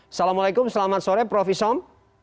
assalamualaikum selamat sore prof isom